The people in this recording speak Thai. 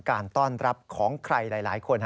การต้อนรับของใครหลายคน